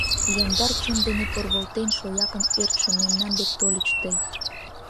Яндар чын дене порволтен шоякын ӧртшым, Мемнан дек тольыч тый.